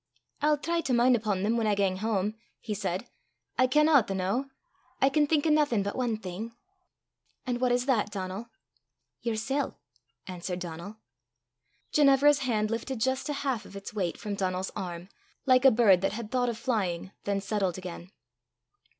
"I'll try to min' upo' them whan I gang hame," he said. "I canna the noo. I can think o' naething but ae thing." "And what is that, Donal?" "Yersel'," answered Donal. Ginevra's hand lifted just a half of its weight from Donal's arm, like a bird that had thought of flying, then settled again.